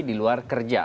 di luar kerja